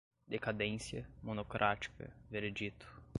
decadência, monocrática, veredito